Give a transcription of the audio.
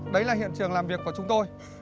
đấy là hiện trường làm việc của chúng tôi